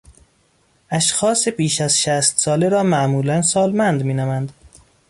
اشخاص بیش از شصت ساله را معمولا سالمند مینامند.